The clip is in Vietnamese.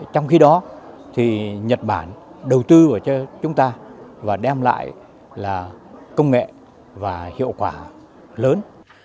trong khi đó thì nhật bản đầu tư vào cho chúng ta và đem lại là công nghệ và hiệu quả lớn